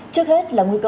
trước hết là nguy cơ